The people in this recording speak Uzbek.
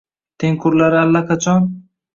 Tengqurlari allaqachon